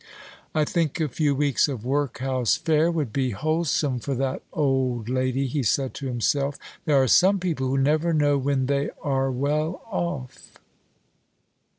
"I think a few weeks of workhouse fare would be wholesome for that old lady," he said to himself. "There are some people who never know when they are well off."